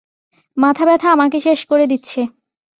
মাথা ব্যাথা আমাকে শেষ করে দিচ্ছে।